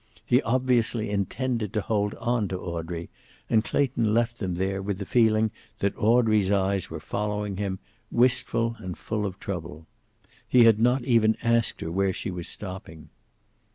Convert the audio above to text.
He obviously intended to hold on to Audrey, and Clayton left them there with the feeling that Audrey's eyes were following him, wistful and full of trouble. He had not even asked her where she was stopping.